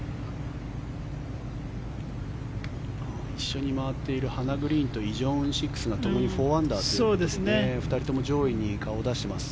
一緒に回っているハナ・グリーンとイ・ジョンウン６が共に４アンダーということで２人とも上位に顔を出しています。